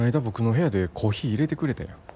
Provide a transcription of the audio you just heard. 僕の部屋でコーヒーいれてくれたやん。